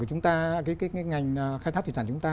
cái ngành khai thác thủy sản chúng ta